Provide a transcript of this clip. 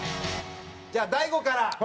じゃあ大悟から。